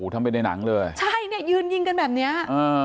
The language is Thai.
ทำไปในหนังเลยใช่เนี่ยยืนยิงกันแบบเนี้ยอ่า